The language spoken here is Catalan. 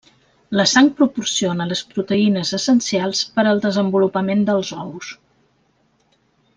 La sang proporciona les proteïnes essencials per al desenvolupament dels ous.